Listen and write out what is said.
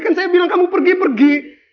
kan saya bilang kamu pergi pergi